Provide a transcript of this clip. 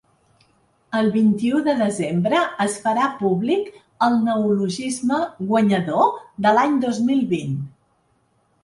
El vint-i-u de desembre es farà públic el neologisme guanyador de l’any dos mil vint.